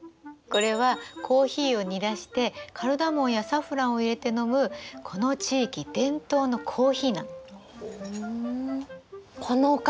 これはコーヒーを煮出してカルダモンやサフランを入れて飲むこの地域伝統のコーヒーなの。